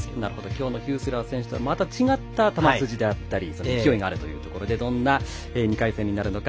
今日のヒュースラー選手とはまた違った球筋であったり勢いがあるということでどんな２回戦になるのか